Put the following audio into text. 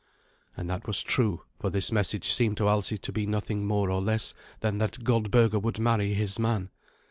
And that was true, for this message seemed to Alsi to be nothing more or less than that Goldberga would marry his man.